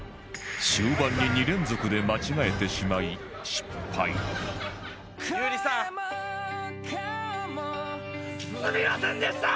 終盤に２連続で間違えてしまい失敗出た！